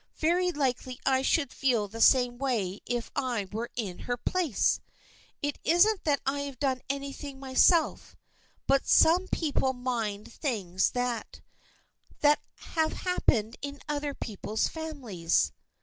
" Very likely I should feel the same way if I were in her place. It isn't that I have done any thing myself, but some people mind things that — that have happened in other people's families."